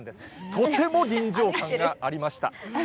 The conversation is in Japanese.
とても臨場感がありました。